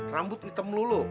rambut hitam lu